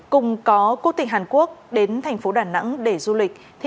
cùng có quốc tịch hàn quốc đến thành phố đà nẵng để du lịch